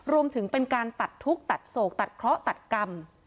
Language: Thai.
รวมถึงเป็นการตัดทุกข์ตัดโศกตัดเคราะห์ตัดกรรม